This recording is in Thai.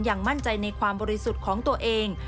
ยังมั่นใจในความบริสุทธิ์ของตัวเอง